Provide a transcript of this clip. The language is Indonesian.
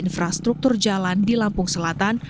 infrastruktur jalan di lampung selatan